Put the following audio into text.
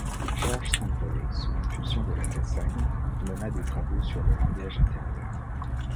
Georges Saint-Paul, sous l'impulsion de Lacassagne, mena des travaux sur le langage intérieur.